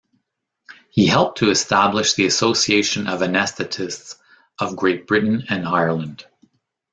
He helped to establish the Association of Anaesthetists of Great Britain and Ireland.